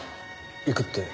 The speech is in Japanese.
行くって？